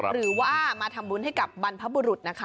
หรือว่ามาทำบุญให้กับบรรพบุรุษนะคะ